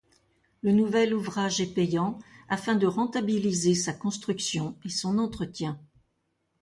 Le nouvel ouvrage est payant, afin de rentabiliser sa construction et son entretien.